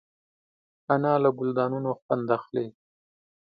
انا له ګلدانونو خوند اخلي